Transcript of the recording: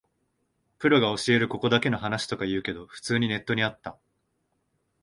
プロが教えるここだけの話とか言うけど、普通にネットにあった